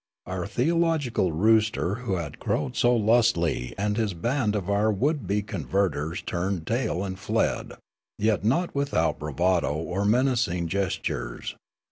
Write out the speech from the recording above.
Our theological rooster who had crowed so lustily and his band of our would be converters turned tail and fled, j et not without bravado or menacing gest ures.